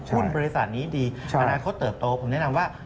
หุ้นบริษัทนี้ดีอนาคตเติบโตผมแนะนำว่า